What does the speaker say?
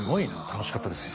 楽しかったです